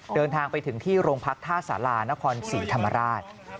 เดินทางไปถึงที่โรงพักท่าสารานครศรีธรรมราช